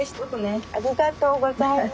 ありがとうございます。